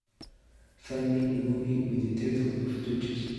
Find me the movie with the title of Twitches